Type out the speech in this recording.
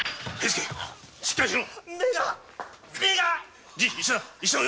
しっかりしろ！